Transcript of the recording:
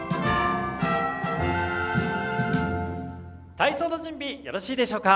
体操の準備よろしいでしょうか。